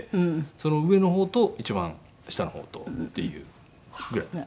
その上の方と一番下の方とっていうぐらいですね。